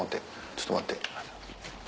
ちょっと待って。